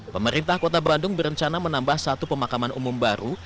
pemerintah kota bandung berencana menambah satu pemakaman umum baru